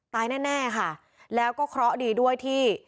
แน่แน่ค่ะแล้วก็เคราะห์ดีด้วยที่